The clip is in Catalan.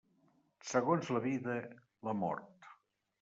Segons la vida, la mort.